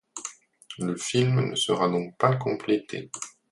Le film ne sera donc pas complété.